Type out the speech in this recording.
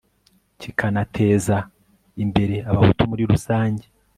kikanateza imbere abahutu muri rusange